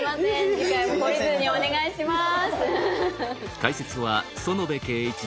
次回も懲りずにお願いします。